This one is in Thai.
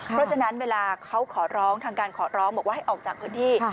เพราะฉะนั้นเวลาเขาขอร้องทางการขอร้องบอกว่าให้ออกจากพื้นที่